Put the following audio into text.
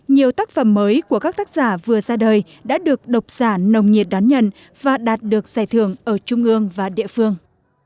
nhiều tác phẩm mới của các tác giả vừa ra đời đã được độc giả nồng nhiệt đón nhận và đạt được giải thưởng ở trung ương